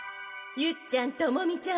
ユキちゃんトモミちゃん